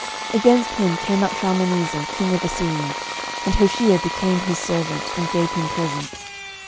12:017:003 Against him came up Shalmaneser king of Assyria; and Hoshea became his servant, and gave him presents.